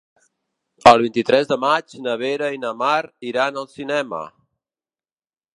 El vint-i-tres de maig na Vera i na Mar iran al cinema.